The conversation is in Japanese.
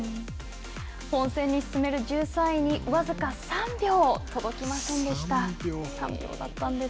本選に進める１３位に僅か３秒届きませんでした。